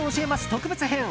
特別編。